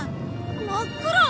真っ暗！